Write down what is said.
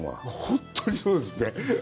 本当にそうですね。